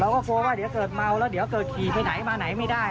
ก็กลัวว่าเดี๋ยวเกิดเมาแล้วเดี๋ยวเกิดขี่ไปไหนมาไหนไม่ได้